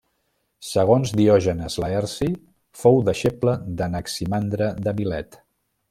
Segons Diògenes Laerci, fou deixeble d'Anaximandre de Milet.